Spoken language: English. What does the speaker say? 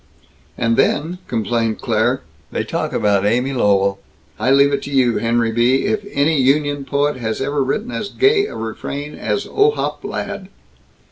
"And then," complained Claire, "they talk about Amy Lowell! I leave it to you, Henry B., if any union poet has ever written as gay a refrain as 'Ohop Ladd'!"